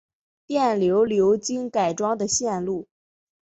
电流流经改装的线路